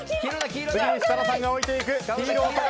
次に設楽さんが置いていく。